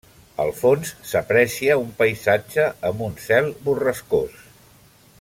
Al fons, s'aprecia un paisatge amb un cel borrascós.